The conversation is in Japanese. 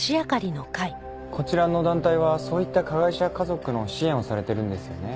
こちらの団体はそういった加害者家族の支援をされてるんですよね？